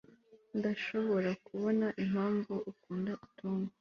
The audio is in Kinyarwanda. ndashobora kubona impamvu ukunda tom